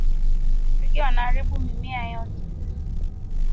Nzige wanharibu mimea yote